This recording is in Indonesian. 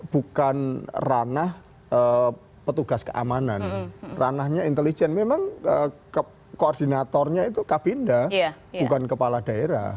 bukan ranah petugas keamanan ranahnya intelijen memang koordinatornya itu kabinda bukan kepala daerah